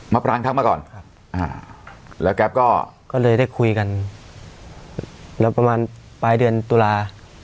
ปรางทักมาก่อนแล้วแก๊ปก็เลยได้คุยกันแล้วประมาณปลายเดือนตุลา